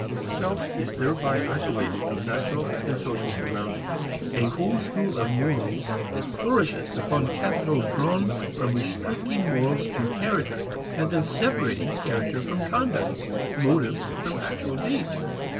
The self is thereby isolated from natural and social surroundings. A whole school of morals flourishes upon capital drawn from restricting morals to character and then separating character from conduct, motives from actual deeds.